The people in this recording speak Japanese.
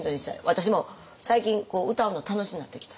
私も最近歌うの楽しなってきた。